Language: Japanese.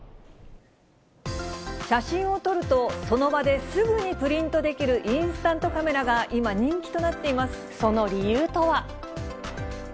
写真を撮ると、その場ですぐにプリントできるインスタントカメラが今、人気となその理由とは。